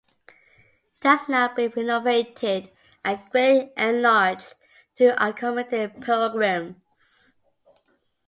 It has now been renovated and greatly enlarged to accommodate pilgrims.